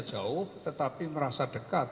jauh tetapi merasa dekat